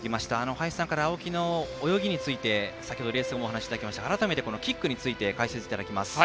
林さんから青木の泳ぎについてレース後お話をいただきましたが改めて、このキックについて解説いただきます。